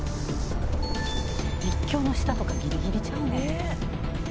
陸橋の下とかギリギリちゃうの？